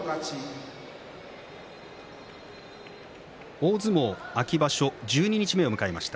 大相撲、秋場所十二日目を迎えました。